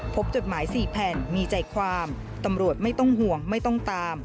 จดหมาย๔แผ่นมีใจความตำรวจไม่ต้องห่วงไม่ต้องตาม